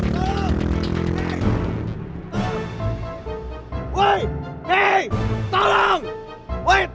din din bangun